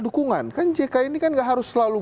dukungan kan jk ini kan gak harus selalu